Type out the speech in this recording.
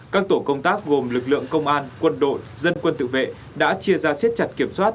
các tổ công tác gồm lực lượng công an quân đội dân quân tự vệ đã chia ra siết chặt kiểm soát